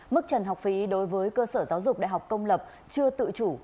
mức trần học phí đối với cơ sở giáo dục đại học công lập chưa tự chủ